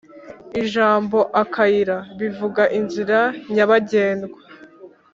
Ijambo "akayira" bivuga inzira nyabagendwa